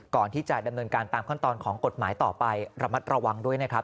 ก่อนที่จะดำเนินการตามขั้นตอนของกฎหมายต่อไประมัดระวังด้วยนะครับ